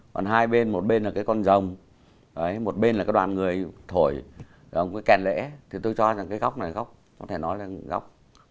còn hai bên một bên là cái con rồng một bên là cái đoàn người thổi một cái kèn lễ thì tôi cho rằng cái góc này gốc có thể nói là góc